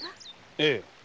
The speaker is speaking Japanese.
ええ。